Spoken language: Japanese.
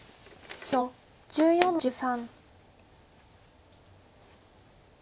白１４の十三。